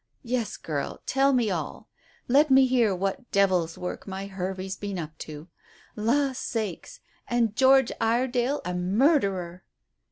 "Yes, girl. Tell me all. Let me hear what devil's work my Hervey's been up to. La sakes! an' George Iredale a murderer!"